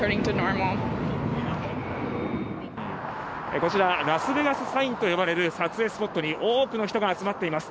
こちらラスベガスサインと呼ばれる撮影スポットに多くの人が集まっています。